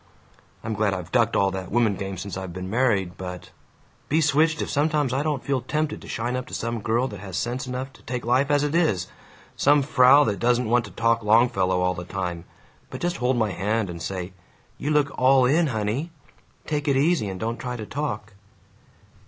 I'm glad I've ducked all that woman game since I've been married but Be switched if sometimes I don't feel tempted to shine up to some girl that has sense enough to take life as it is; some frau that doesn't want to talk Longfellow all the time, but just hold my hand and say, 'You look all in, honey. Take it easy, and don't try to talk.'